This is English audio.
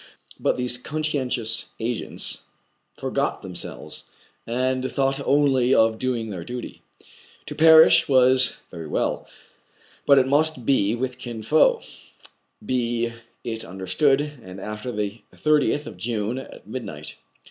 But these conscientious agents forgot themselves, and thought only of doing their duty. To perish was very well ; but it must be with Kin Fo, be it understood, and after the 30th of June at midnight.